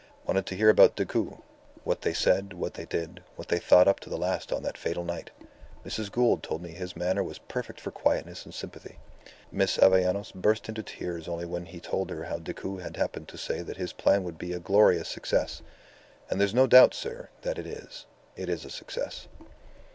Wanted to hear about Decoud: what they said, what they did, what they thought up to the last on that fatal night. Mrs. Gould told me his manner was perfect for quietness and sympathy. Miss Avellanos burst into tears only when he told her how Decoud had happened to say that his plan would be a glorious success. ... And there's no doubt, sir, that it is. It is a success."